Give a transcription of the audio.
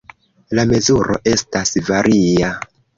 La mezuro estas varia.